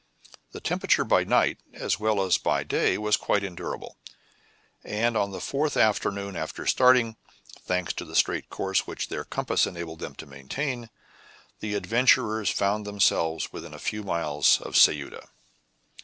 The temperature by night as well as by day was quite endurable, and on the fourth afternoon after starting, thanks to the straight course which their compass enabled them to maintain, the adventurers found themselves within a few miles of Ceuta.